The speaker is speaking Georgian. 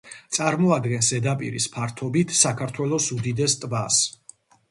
წარმოადგენს ზედაპირის ფართობით საქართველოს უდიდეს ტბას.